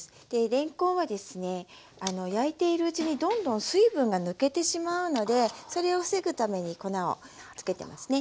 れんこんはですね焼いているうちにどんどん水分が抜けてしまうのでそれを防ぐために粉をつけてますね。